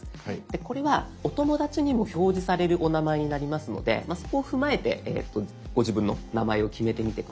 これはお友だちにも表示されるお名前になりますのでそこを踏まえてご自分の名前を決めてみて下さい。